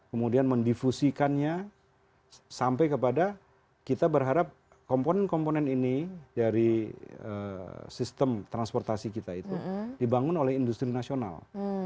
kemudian mendifusikannya sampai kepada kita berharap komponen komponen ini dari sistem transportasi kita itu dibangun oleh industri nasional